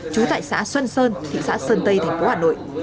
trú tại xã xuân sơn thị xã sơn tây thành phố hà nội